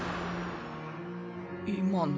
今の。